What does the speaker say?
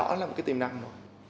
đó là một cái tiềm năng rồi